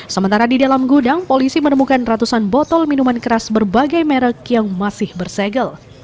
sementara di dalam gudang polisi menemukan ratusan botol minuman keras berbagai merek yang masih bersegel